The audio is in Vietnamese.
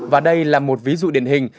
và đây là một ví dụ điển hình